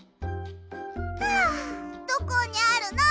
あどこにあるの？